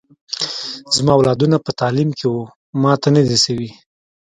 زما اولادونه په تعلیم کي و ماته نه دي سوي